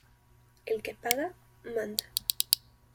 El que paga, manda